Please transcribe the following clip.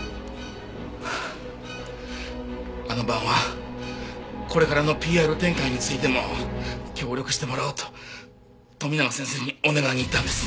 あの晩はこれからのＰＲ展開についても協力してもらおうと富永先生にお願いに行ったんです。